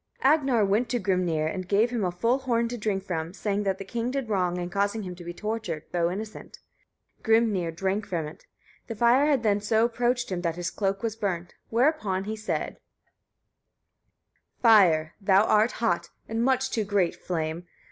Agnar went to Grimnir and gave him a full horn to drink from, saying that the king did wrong in causing him to be tortured, though innocent. Grimnir drank from it. The fire had then so approached him that his cloak was burnt; whereupon he said: 1. Fire! thou art hot, and much too great; flame!